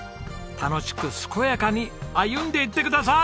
楽しく健やかに歩んでいってください。